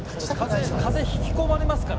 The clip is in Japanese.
「風引き込まれますからね